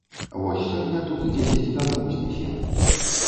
Вось сёння тут дзесяць дамоў знясем.